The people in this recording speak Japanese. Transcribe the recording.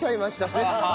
すいません。